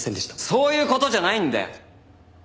そういう事じゃないんだよ！